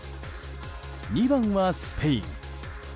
２番はスペイン。